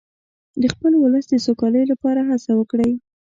د خپل ولس د سوکالۍ لپاره هڅه وکړئ.